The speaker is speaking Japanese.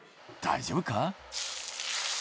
大丈夫か？